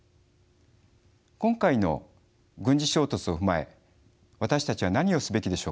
今回の軍事衝突を踏まえ私たちは何をすべきでしょうか？